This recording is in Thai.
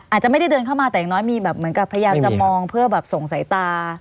อาจจะไม่ได้เดินเข้ามาแต่อย่างน้อยมีแบบเหมือนกับพยายามจะมองเพื่อแบบส่งสายตา